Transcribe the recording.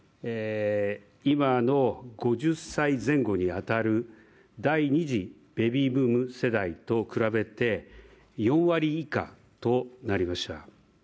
今の５０歳前後に当たる第２次ベビーブーム世代と比べて４割以下となりました。